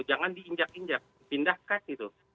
jangan diinjak injak pindahkan gitu